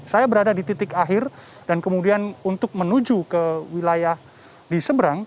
saya berada di titik akhir dan kemudian untuk menuju ke wilayah di seberang